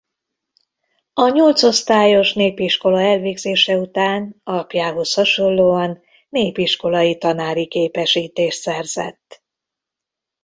A nyolcosztályos népiskola elvégzése után apjához hasonlóan népiskolai tanári képesítést szerzett.